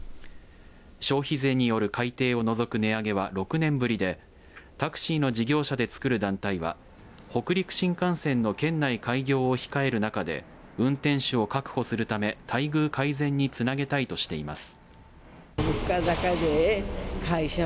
消費税による改定を除く値上げは６年ぶりでタクシーの事業者で作る団体は北陸新幹線の県内開業を控える中で運転手を確保するため待遇改善につなげたいとしています。